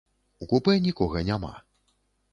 У купэ нікога няма.